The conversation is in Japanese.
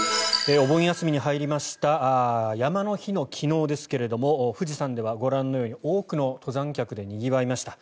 お盆休みに入りました山の日の昨日ですが富士山ではご覧のように多くの登山客でにぎわいました。